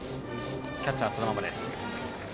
キャッチャーはそのまま。